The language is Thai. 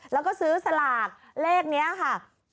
แล้วก็ซื้อสลากเลขนี้ค่ะ